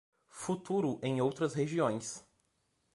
Futuro em outras regiões